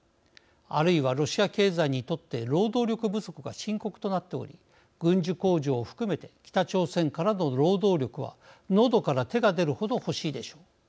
あるいはロシア経済にとって労働力不足が深刻となっており軍需工場を含めて北朝鮮からの労働力はのどから手が出るほど欲しいでしょう。